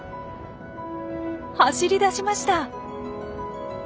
走り出しました。